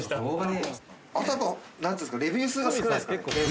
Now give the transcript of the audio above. あとやっぱ何ていうんですかレビュー数が少ないですかね？